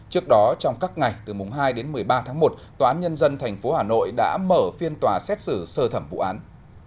trước đó trong các ngày từ mùng hai đến một mươi ba tháng một tòa án nhân dân tp hà nội đã mở phiên tòa xét xử sơ thẩm vụ án